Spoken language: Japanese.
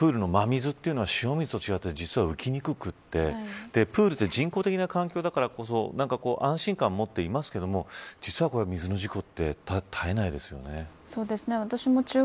プールの真水というのは塩水と違って実は浮きにくくてプールという人工的な環境だからこそ安心感を持っていますけれども実は、水の事故ってそうですね。